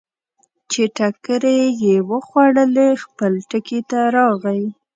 چې ټکرې یې وخوړلې، خپل ټکي ته راغی.